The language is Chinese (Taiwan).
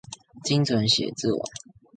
精準寫作